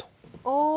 ああ。